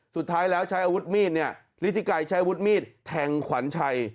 สุดท้ายแล้วใช้อาวุธมีดเนี่ยฤทธิไกรใช้วุฒิมีดแทงขวัญชัย